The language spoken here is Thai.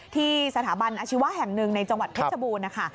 ที่สถาบันอาชีวะแห่งหนึ่งในจังหวัดเพชรบูรณนะคะ